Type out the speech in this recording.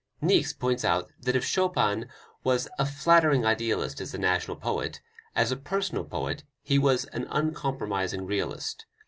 Niecks points out that if Chopin was "a flattering idealist as a national poet, as a personal poet he was an uncompromising realist."